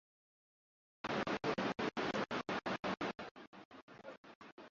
mkuu huchaguliwa na Mkutano wa Wataalamu wa Uongozi kwa